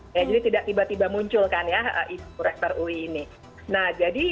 jadi tidak tiba tiba muncul kan ya rektor ui ini